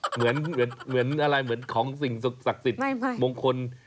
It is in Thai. เหมือนอะไรเหมือนของสิ่งสักสิตมงคล